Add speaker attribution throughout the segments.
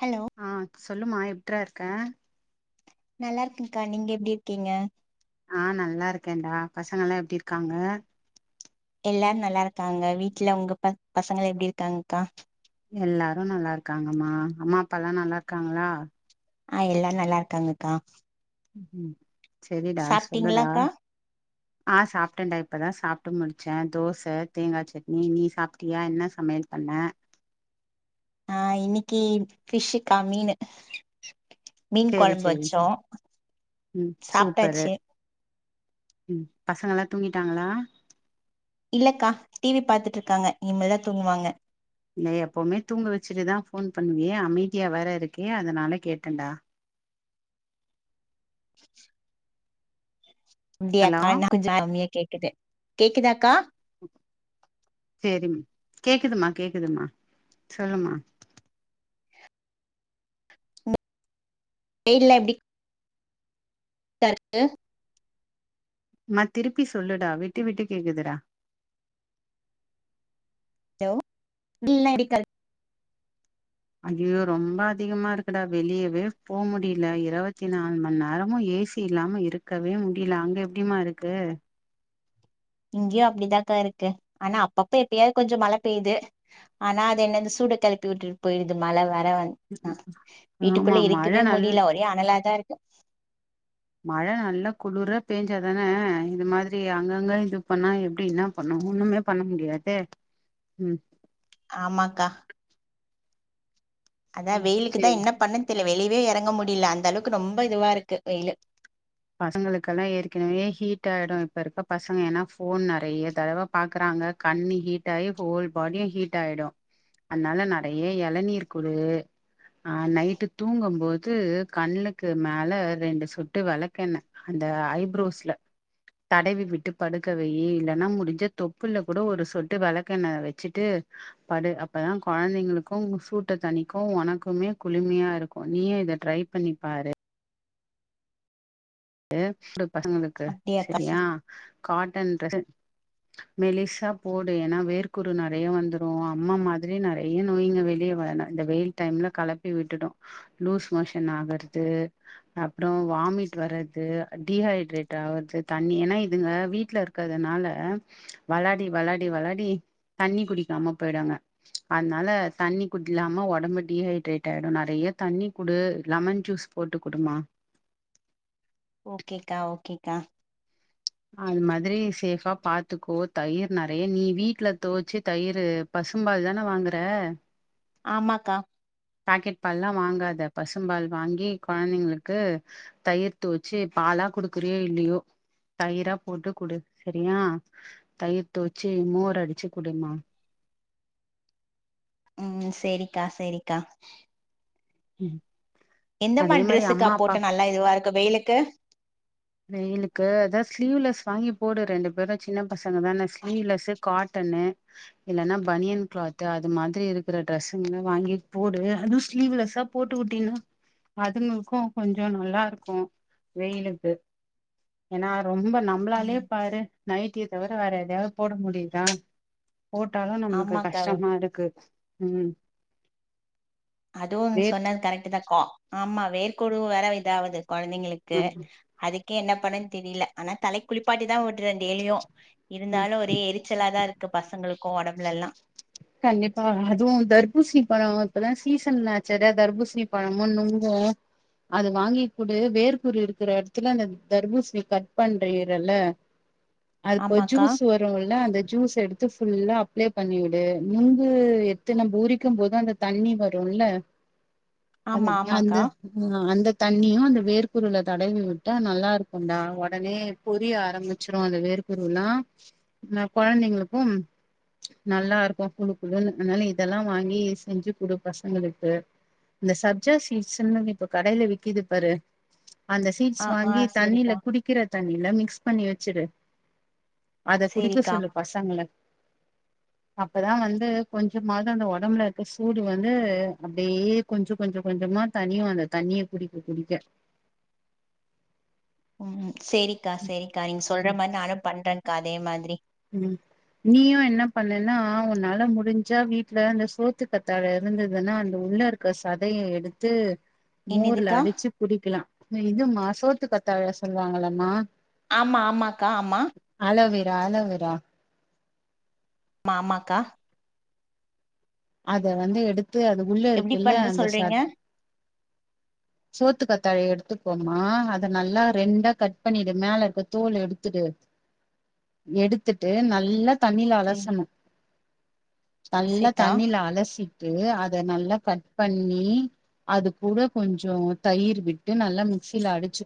Speaker 1: hello
Speaker 2: ஆஹ் சொல்லுமா எப் எப்பார இருக்க
Speaker 1: நல்லா இருக்கேன் கா நீங்க எப்படி இருக்கீங்க
Speaker 2: ஆஹ் நல்லா இருக்கேன்டா பசங்க எல்லாம் எப்படி இருக்காங்க
Speaker 1: எல்லாரும் நல்லா இருக்காங்க வீட்டுல உங்க ப பசங்க எப்டி இருக்காங்கக்கா
Speaker 2: எல்லாரும் நல்லா இருக்காங்கம்மா அம்மா அப்ப எல்லாம் நல்லா இருக்காங்களா
Speaker 1: ஆ எல்லாரும் நல்லா இருக்காங்கக்கா
Speaker 2: ம் சரிடா சொல்லுடா
Speaker 1: சாப்ட்டீங்களாக்கா
Speaker 2: ஆஹ் சாப்பிட்டேன்டா இப்பதான் சாப்பட்டு முடிச்ச தோசை தேங்காய் சட்னி நீ சாப்பட்டியா என்ன சமையல் பண்ண
Speaker 1: ஆஹ் இன்னைக்கு ஃபிஷ்கா மீனு மீன்
Speaker 2: சேரி
Speaker 1: குழம்பு
Speaker 2: சேரி சேரி
Speaker 1: வச்சோம் சாப்பட்டாச்சு
Speaker 2: உம் பசங்க எல்லாம் தூங்கிட்டாங்களா
Speaker 1: இல்லக்கா டிவி பாத்துட்டு இருக்காங்க இனிமேல்தான் தூங்குவாங்க
Speaker 2: இல்ல எப்பவுமே தூங்க வச்சுட்டு தான் போன் பண்ணுவிய அமைதியா வேற இருக்கியே அதனால கேட்டன்டா ஹலோ
Speaker 1: அப்டியக்க [inaudible] கேக்குது கேக்குதாக்கா
Speaker 2: செரிம்மா கேக்குதுமா கேக்குதுமா சொல்லுமா
Speaker 1: வெயில எப்டி டர்க்கு
Speaker 2: மா திருப்பி சொல்லுடா விட்டு விட்டு கேக்குதுடா
Speaker 1: ஹலோ டீல்லா இருக்காது
Speaker 2: ஐயோ ரொம்ப அதிகமா இருக்குடா வெளியவே போ முடியல இருவத்தி நாலு மணி நேரமும் ஏசி இல்லாம இருக்கவே முடியல அங்க எப்டிமா இருக்கு
Speaker 1: இங்கேயும் அப்படிதாக்கா இருக்கு ஆனா அப்பப்ப எப்பயாவது கொஞ்சம் மழை பெய்து ஆனா அது என்ன சூட கிளப்பி விட்டுட்டு போயிடுது மழை வேற வந்து
Speaker 2: ஆமா
Speaker 1: வீட்டுக்குள்ளே
Speaker 2: மழ
Speaker 1: இருக்கவே
Speaker 2: நல்
Speaker 1: முடியில ஒரே அனலா தான் இருக்கு
Speaker 2: மழ நல்லா குளிர பேஞ்சாதானே இது மாதிரி அங்கங்க இது பண்ணா எப்டி என்ன பண்ணும் ஒண்ணுமே பண்ண முடியாதே உம்
Speaker 1: ஆமாக்கா அதான்
Speaker 2: ம்
Speaker 1: வெயிலுக்குதான்
Speaker 2: சேரி
Speaker 1: என்ன பண்ணதெர்ல வெளியவே இறங்க முடியல அந்த அளவுக்கு ரொம்ப இதுவா இருக்கு வெயிலு
Speaker 2: பசங்களுக்கெல்லாம் ஏற்கனவே ஹீட் ஆயிடும் இப்ப இருக்க பசங்க ஏன்னா போன் நிறைய தடவா பாக்குறாங்க கண் ஹீட் ஆகி ஹோல் பாடியும் ஹீட் ஆயிடும் அதனால நிறைய இளநீர் குடு ஆஹ நைட்டு தூங்கும் போது கண்ணுக்கு மேல ரெண்டு சொட்டு விளக் கெண்ண அந்த ஐப்ரோஸ்ல தடவி விட்டு படுக்கவை இல்லைன்னா முடிஞ்ச தொப்புல கூட ஒரு சொட்டு விளக்கெண்ண வச்சுட்டு படு அப்பதான் குழந்தைங்களுக்கும் சூட்ட தனிக்கும் உனக்குமே குளிமையா இருக்கும் நீய இத ட்ரை பண்ணிப்பாரு [unintelligible] பசங்களுக்கு
Speaker 1: அப்டியாக்கா
Speaker 2: செரியா
Speaker 1: சிஸ்
Speaker 2: காட்டன் டஸீ மெலிசா போடு ஏன்னா வேர்க்ற்குரு நெறைய வந்துரும் அம்மா மாதிரி நெறைய நோய்ங்க வெளியே வரணும் இந்த வெயில் டைம்ல கலப்பி விட்டுடம் லூஸ் மோஷன் ஆகறது அப்புறம் வாமிட் வர டீஹைட்ரேட் ஆகுறது தண்ணி ஏன்னா இதுங்க வீட்டுல இருக்கிறதுனால வெளாடி வெளாடி வெளாடி தண்ணி குடிக்காம போய்டுவாங்க அதனால தண்ணி குடிக்லாம உடம்பு டீஹைட்ரேட் ஆயிடும் நிறைய தண்ணி குடு லெமன் ஜூஸ் போட்டு குடுமா
Speaker 1: ஓகேக்கா ஓகேக்கா
Speaker 2: அது மாதிரி சேஃபா பாத்துக்கோ தயிர் நிறைய நீ வீட்டுல துவச்சு தயிர் பசும்பால் தானே வாங்குற
Speaker 1: ஆமாக்கா
Speaker 2: பாக்கெட் பால்லாம் வாங்காத பசும் பால் வாங்கி கெழந்தைங்களுக்கு தயிர் தோச்சி பாலா குடுக்குறியோ இல்லையோ தயிரா போட்டு குடு சரியா தயிர் தோச்சி மோர் அடிச்சு குடுமா
Speaker 1: உம் செரிக்கா செரிக்கா
Speaker 2: உம்
Speaker 1: எந்த மாதிரி டிரெஸுக்கா போட்ட நல்லா இதுவா இருக் இப்ப வெயிலுக்கு
Speaker 2: வெயிலுக்கு அதான் ஸ்லீவ்லெஸ் வாங்கி போடு ரெண்டு பேரும் சின்ன பசங்க தான என்ன ஸ்லீவ்லெஸு காட்டனு இல்லைன்னா பனியன் கிளாத்து அது மாதிரி இருக்கிற டிரரெஸ்ஸுங்க வாங்கி போடு அதுவும் ஸ்லீவ்லெஸ்ஸா போட்டுவுட்டீனா அதுங்களுக்கும் கொஞ்சம் நல்லா இருக்கும் வெயிலுக்கு ஏன்னா ரொம்ப நம்மளாலே
Speaker 1: ம்
Speaker 2: பாரு நைட்டிய தவிர வேற எதையாவது போட முடியுதா போட்டாலும் நம்மளுக்கு
Speaker 1: ஆமாக்கா
Speaker 2: கஷ்டமா இருக்கு உஹம்
Speaker 1: அதுவும் சொன்னது கரெக்ட்டு தான் மா ஆமா வேற்குரு வேற இதாவுது குழந்தைங்களுக்கு அது என்ன பண்ணன்னு தெரியல ஆனா தலைக்கி குளிப்பாட்டி தான் விட்டுறேன் டேய்லியும்
Speaker 2: ம்
Speaker 1: இருந்தாலும் ஒரே எரிச்சலாதான் இருக்கு இப்ப பசங்களுக்கு ஒடம்புல எல்லா
Speaker 2: கண்டிப்பா அதுவும் தர்பூசணி பழம் இப்பதான் சீசன்னாசே தர்பூசணி பழமும் நுங்கும் அது வாங்கி கூடு வேர்க்கூறுஇருக்குற இடத்துல அந்த தர்பூசணி கட் பண்றறல்ல அதுப்ப
Speaker 1: ஆமாக்கா
Speaker 2: ஜூஸ் வருல்ல அந்த ஜூஸ் எடுத்து ஃபுல்லா அப்ளே பண்ணி விடு நுங்கு எத்தன நம்ம உரிக்கும் போதும் அந்த தண்ணி வரும்ல அது
Speaker 1: ஆமா
Speaker 2: அந்த
Speaker 1: ஆமாக்கா
Speaker 2: உம் அந்த தண்ணியும் அந்த வேர்க்குருள தடவி விட்டா நல்லா இருக்கும்டா உடனே பொரிய ஆரம்பிச்சிரும் அந்த வேர்க்குரு எல்லாம் ஆஹ குழந்தைங்களுக்கும் நல்லா இருக்கும் குழுக்குழுனு அதனால இதெல்லாம் வாங்கி செஞ்சு கொடு பசங்களுக்கு இந்த சப்ஜா சீட்ஸ்ன்னு இப்ப கடையில விக்குது பாரு அந்த சீட்ஸ்
Speaker 1: ஆ ஆ
Speaker 2: வாங்கி தண்ணில
Speaker 1: செரிக்கா
Speaker 2: குடிக்கிற தண்ணில மிக்ஸ் பண்ணி வச்சுடு அத குடிக்க
Speaker 1: செரிக்கா
Speaker 2: சொல்லு பசங்கல அப்பதான் வந்து கொஞ்சம் கொஞ்சமது அந்த உடம்புல இருக்க சூடு வந்து அப்படியே கொஞ்சம் கொஞ்சம் கொஞ்சமா தனியும் அந்த தண்ணிய குடிக்க குடிக்க
Speaker 1: உம் செரிக்கா செரிக்கா நீங்க சொல்ற மாரி நானும் பண்றேன் அதே மாதிரி
Speaker 2: உம் நீயும் என்ன பண்ணன்னா உன்னால முடிஞ்சா வீட்டுல அந்த சோத்து கத்தாழ இருந்ததுன் னா அந்த உள்ள இருக்கற சதையை எடுத்து மோர்ல
Speaker 1: என்னதுக்கா
Speaker 2: அடிச்சு கூடிக்கலாம் இது மாசம் சோத்துக்கத்தாழ சொல்லுவாங்களம்மா
Speaker 1: ஆமா ஆமாக்கா ஆமா
Speaker 2: வேல வரும் யா
Speaker 1: மாமாக்கா
Speaker 2: அத வந்து எடுத்து அது உள்ள
Speaker 1: எப்டி
Speaker 2: இருக்குல்ல
Speaker 1: பண்ண
Speaker 2: அந்த
Speaker 1: சொல்றீங்க
Speaker 2: செத் சோத்து கத்த தழைய எடுத்துக்கோமா அத நல்லா ரெண்டா கட் பண்ணிட்டு மேல இருக்க தோல எடுத்துட்டு எடுத்துட்டு நல்லா தண்ணில
Speaker 1: செரி
Speaker 2: அலசனும் நல்ல
Speaker 1: செரிக்கா
Speaker 2: தண்ணில அலசி அத நல்லா கட் பண்ணி அது கூட கொஞ்சம் தயிர் விட்டு நல்லா மிக்சியில அடிச்சு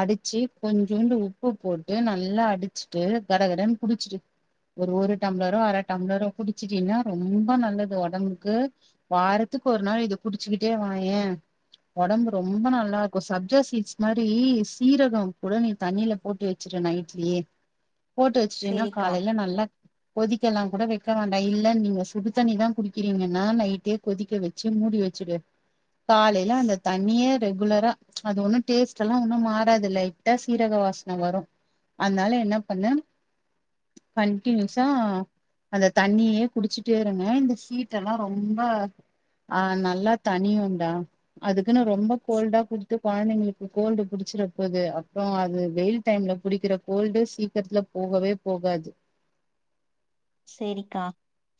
Speaker 2: அடிச்சு கொஞ்சோண்டு உப்பு போட்டு நல்லா அடிச்சுட்டு கடகடன்னு குடிச்சிட்டு ஒரு ஒரு டம்ளரோ அர டம்ளரோ குடிச்சட்டீன்னா ரொம்ப நல்லது உடம்புக்கு வாரத்துக்கு ஒரு நாள் இத குடிச்சுக்கிட்டே வாயேன் உடம்பு ரொம்ப நல்லா இருக்கும் சப்ஜா சீட்ஸ் மாரி சீரகம் கூட நீ தண்ணியில போட்டு வச்சுரு நைட்லயே போட்டு வச்சுட்டின்னா
Speaker 1: செரிக்கா
Speaker 2: காலையில நல்லா இரு கோதிக்கெல்லாம் கூட வைக்க வேண்டாம் இல்லன்னு நீங்க சுடு தண்ணிதான் குடிக்கிறீங்கன்னா நைட்டே கொதிக்க வச்சு மூடி வச்சுடு காலையில அந்த தண்ணிய ரெகுலரா அதுணும் டேஸ்ட் லாம் மாறாது லைட் ஹா சீராக வசன வரும் அதுனால என்ன பண்ணு கன்டினுசா அத தண்ணியே குடிச்சிட்டு குடுத்துட்டே இருங்க இந்த சீட்டெல்லாம் ரொம்ப ஆஹ் நல்லா தனியுண்டா அதுக்கு ரொம்ப கோல்டா குடுத்து குழந்தைங்களுக்கு கோல்டு புடிச்சிட போகுது அப்புறம் அது வெயில் டைம்ல புடிக்கிற கோல்டு சீக்கிரத்துல போகவே போகாது
Speaker 1: சேரிக்கா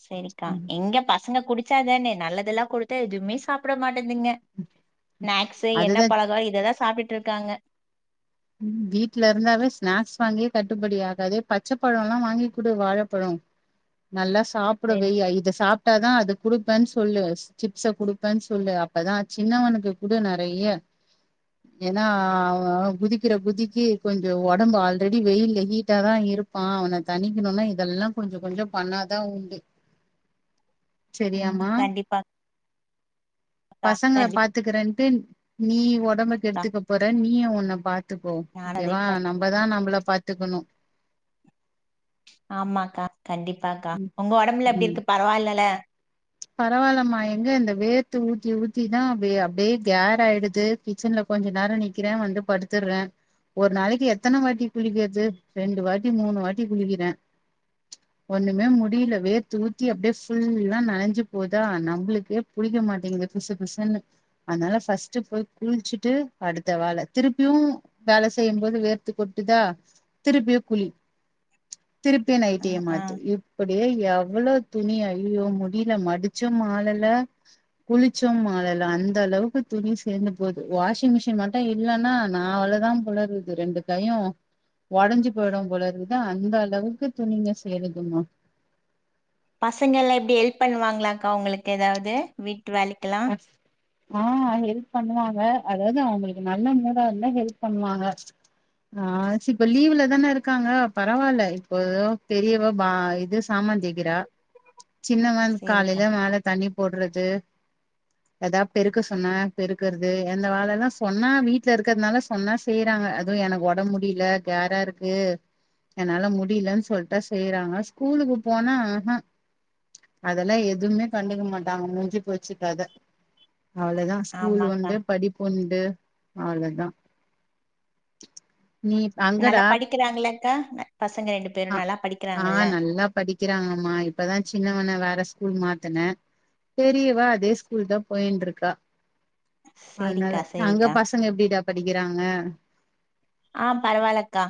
Speaker 1: செரிக்கா எங்க பசங்க குடிச்ச சாப்டாதானே நல்லதெல்லாம் கொடுத்த எதுவுமே சாப்பிட மாட்டன் ஸ்நானக்குஸ் எண்ணெ
Speaker 2: அதுதா
Speaker 1: பலாக்காரம் இதான் சாப்பிட்டு இருக்காங்க
Speaker 2: வீட்ல இருந்தாவே ஸ்நாக்ஸ் வாங்கிய கட்டுப்படி ஆகாது பச்சப்பழம் எல்லாம்வாங்கிகுடு வாழப்பழம் நல்லா
Speaker 1: செரி
Speaker 2: சாப்பிடவேய்யா இதை சாப்ப தான் அது கொடுப்பேன்னு சொல்லு சிப்ஸ குடுப்பேன்னு சொல்லு அப்பதான் சின்னவனுக்கு குடு நிறைய ஏன்னா அவன் குதிக் குதிக்கிற குதிக்கு கொஞ்சம் உடம்பு ஆல்ரெடி வெயில் ஹீட்டாாதான் இருப்பான் அவனை தனிக்கணும்னா இதெல்லாம் கொஞ்சம் கொஞ்சம் பண்ணாதான் உண்டு
Speaker 1: உம் கண்டிப்பா
Speaker 2: பசங்களை பாத்துக்குறேன்ட்டு நீ ஒ உடம்ப கேடுத்துக்க போற நீ உ நாபாத்துக் பாதுப்போம்
Speaker 1: நானு
Speaker 2: ஓகே
Speaker 1: அதே
Speaker 2: வா
Speaker 1: பண்
Speaker 2: நம்மதான் நம்மள பாத்துக்கணும்
Speaker 1: ஆமாக்கா கண்டிப்பாக்கா உங்க உடம்புல எப்படி இருக்கு பரவாயில்லல
Speaker 2: பரவாயில்மா எங்க இந்த வேரத்து ஊத்தி ஊத்திதான் அப்படிய அப்படியே கேர் ஆயிடுது கிச்சன்ல கொஞ்ச நேரம் நிக்கிறேன் வந்து படுத்துடுறேன் ஒரு நாளைக்கு எத்தனை வாட்டி குளிக்கிறது ரெண்டு வாட்டி மூணு வாட்டி குளிக்கிறேன் ஒண்ணுமே முடியல வேரத்து ஊத்தி அப்படியே ஃபுல்லா நனைஞ்சு போதா நம்மளுக்கே புளிக்க மாட்டேங்குது பிசு பிசுன்னு அதனால பஸ்ட்ட் போய் குளிச்சுட்டு அடுத்த வேலை திருப்பியும் வேலை செய்யும் போது வேர்த்து கொட்டுதா திருப்பியும் குளி திருப்பிய
Speaker 1: அ
Speaker 2: நைடியை
Speaker 1: ஆ
Speaker 2: மாட்டு இப்டியே எவ்வளோ துணி அய்யே கீழ மடிச்சும் மாழல குளிச்சும் மாழல அந்த அளவுக்கு துணி சேர்ந்து போகுது வாஷிங் மிஷின் மட்டும் இல்லைன்னா நா அவளதான் போலருக்கு ரெண்டு கையும் உடஞ்சு போயிடும் போலருக்கு அந்த அளவுக்கு துணிங்க சேந்துருக்குமா
Speaker 1: பசங்கள் எலாம் எப்படி ஹெல்ப் பண்ணுவாங்களாக்கா உங்களுக்கு ஏதாவது விட் விட்டு வேலைக்கலாம்
Speaker 2: ஆ ஹெல்ப் பண்ணுவாங்க அதாவது அவங்களுக்கு நல்ல மூடா இருந்தா ஹெல்ப் பண்ணுவாங்க ஆ இப்ப லீவு்ல தானே இருக்காங்க பரவாயில்ல இப்போ ஏதோ பெரியவோ பா இது சாமான் தேய்கிறா சின்னவான்
Speaker 1: சேரிக்கா
Speaker 2: காலையில மேழ தண்ணி போடுறது ஏதாவ பெருக்க சொன்னா பெருக்குறது எந்த வேலை எல்லாம் சொன்னா வீட்டுல இருக்கிறதுனால சொன்னா செய்யறாங்க அதுவும் எனக்கு உட முடியல கோரா இருக்கு என்னால முடியலன்னு சொல்லிட்டா செய்யறாங்க ஸ்கூலுக்கு போனா ஆஹா அதெல்லாம் எதுவுமே கண்டுக்க மாட்டாங்க மூடிஞ்சு போச்சு அதத அவ்வளவுதான் ஸ்கூல்
Speaker 1: ஆமாக்கா
Speaker 2: உண்டு படிப்பு உண்டு அவலா தான் நீ
Speaker 1: நல்லா
Speaker 2: அங்கடா
Speaker 1: படிக்கிறாங்களாக்கா ந பசங்க ரெண்டு பேரு நல்லா படிக்கிறாங்கல்ல
Speaker 2: ஆஹ் நல்லா படிக்கிறாங்கம்மா இப்பதான் சின்னவண்ண வேற மாத்தனே தெரியவா அதே ஸ்கூல் தான் போயின்டு இருக்கா அதனால
Speaker 1: சேரிக்கா
Speaker 2: அங்க
Speaker 1: சேரிக்கா
Speaker 2: பசங்க எப்படிடா படிக்குறாங்க
Speaker 1: ஆஹ் பரவாயில்லக்கா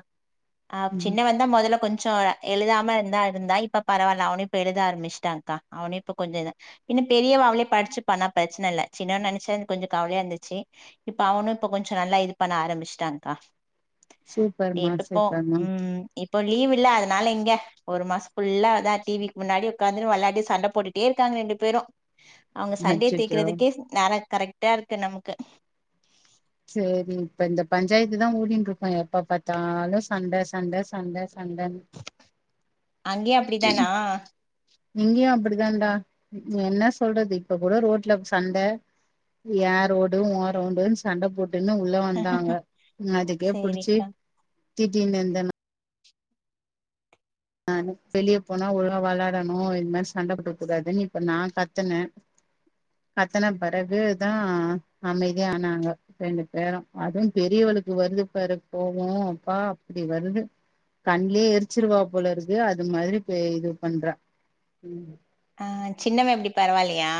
Speaker 1: ஆஹ்
Speaker 2: ம்
Speaker 1: சின்னவன்தா மொதல்ல கொஞ்சோ எழுதாமயிருந்தா இருந்தா இப்ப பரவாயில்ல அவனோ இப்ப எழுத ஆரம்பிச்சுட்டான்கா அவனோ இப்ப கொஞ்சோம் இன்னோ பெரியவ அவளே படிச்சுப்பானா பிரச்சனை இல்ல சின்னவன நெனச்சா எனக்கு கொஞ்சோ கவலையா இருந்துச்சு இப்ப அவனோ இப்ப கொஞ்சோம் நல்லா இது பண்ண ஆரம்பிச்சிட்டான்கா
Speaker 2: சூப்பர்மா சூப்பர்மா
Speaker 1: ம் இப்போ லீவுல்ல அதனால இங்க ஒரு மாசோ ஃபுல்லா அதா டிவிக்கு முன்னாடி ஒடக்காந்துன்னு வெளையாடி சண்ட போட்டுட்டேயிருக்காங்க ரெண்டு பேரும் அவங்க சண்டைய
Speaker 2: அச்சச்சோ
Speaker 1: தீக்குறதுக்கே நானா கரெக்டாயிருக்கு நமக்கு
Speaker 2: சேரி இப்ப இந்த பஞ்சாயத்துதா ஓடின்னுயிருக்கோ எப்ப பாத்தாலோ சண்ட சண்ட சண்ட சண்டன்னு
Speaker 1: அங்கயே அப்டிதானா
Speaker 2: இங்கயோ அப்டிதான்டா என்ன சொல்றது இப்ப கூட ரோட்ல சண்ட ஏ ரோடு உ ரோடுன்னு சண்ட போட் டுன்னு உள்ள வந்தாங்க அதுக்கே புடிச்சு
Speaker 1: சேரிக்கா
Speaker 2: திட்டினேயிருந்தே நானு வெளிய போனா ஒழுங்கா வெளாடணோ இது மாரி சண்டப்போட்டுக்கக் கூடாதுன்னு இப்ப நா கத்துனே கத்தன பெறகுதா அமைதியா ஆனாங்க ரெண்டு பேரோ அதோ பெரியவளுக்கு வருது பாரு போவோ அப்பா அப்டி வருது கண்லயே எரிச்சிருவா போலயிருக்கு அது மாரி இது பண்றா
Speaker 1: ஆஹ் சின்னவ எப்டி பரவாலையா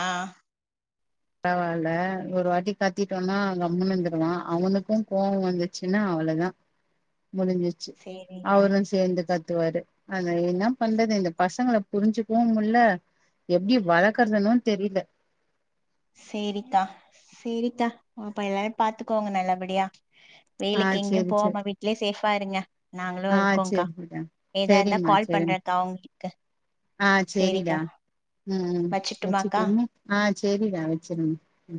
Speaker 2: பரவாயில்ல ஒரு வாட்டி கத்திட்டோனா கம்முனு இருந்துருவா அவனுக்கோ கோவோ வந்துச்சுன்னா அவளதா முடிஞ்சிச்சு
Speaker 1: சேரிக்கா
Speaker 2: அவரோ சேர்ந்து கத்துவாரு அது என்ன பண்றது இந்த பசங்கள புரிஞ்சுக்கவோ முல்ல எப்டி வளர்க்குறதுன்னு தெரியல
Speaker 1: சேரிக்கா சேரிக்கா அப்ப எல்லாரயோ பாத்துக்கோங்க நல்லபடியா
Speaker 2: ஆ
Speaker 1: வேயிலுக்கு எங்கேயோ
Speaker 2: சேரி சேரி
Speaker 1: போவாம வீட்லயே சேஃபா இருங்க நாங்களோ
Speaker 2: ஆ
Speaker 1: இருக்கோக்கா
Speaker 2: சேரிடா
Speaker 1: எதா இருந்தா
Speaker 2: சேரிம்மா
Speaker 1: கால்
Speaker 2: சேரிம்மா
Speaker 1: பண்றேக்கா உங்களுக்கு
Speaker 2: ஆ சேரிடா
Speaker 1: சேரிக்கா
Speaker 2: ம் ம்
Speaker 1: வெச்சுட்டுமாக்கா
Speaker 2: செரிங்க ம்